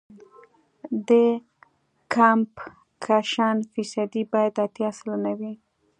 د کمپکشن فیصدي باید اتیا سلنه وي